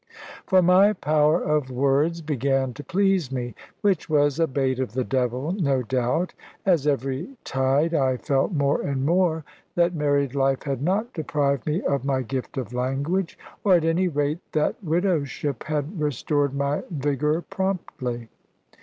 For my power of words began to please me which was a bait of the devil, no doubt as every tide I felt more and more that married life had not deprived me of my gift of language; or, at any rate, that widowership had restored my vigour promptly.